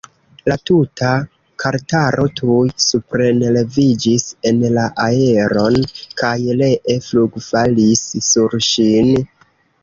La tuta kartaro tuj suprenleviĝis en la aeron kaj ree flugfalis sur ŝin.